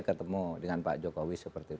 ketemu dengan pak jokowi seperti